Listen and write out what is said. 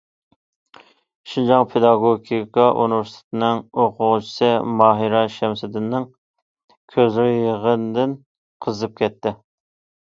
شىنجاڭ پېداگوگىكا ئۇنىۋېرسىتېتىنىڭ ئوقۇغۇچىسى ماھىرە شەمشىدىننىڭ كۆزلىرى يىغىدىن قىزىرىپ كەتكەنىدى.